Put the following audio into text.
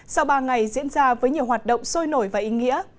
sau ba ngày diễn ra với nhiều hoạt động sôi nổi và ý nghĩa